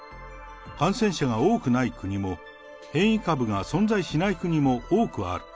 感染者が多くない国も変異株が存在しない国も多くある。